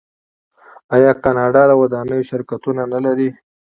آیا کاناډا د ودانیو شرکتونه نلري؟